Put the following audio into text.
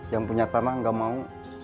yang punya tanah nggak mau